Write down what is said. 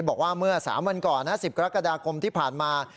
บอกว่าเมื่อ๓วันก่อน๑๐กรกฎาคมที่ผ่านมา